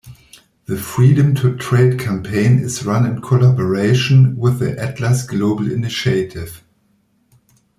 The Freedom to Trade Campaign is run in collaboration with the Atlas Global Initiative.